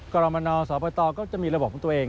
กรมนสปตก็จะมีระบบของตัวเอง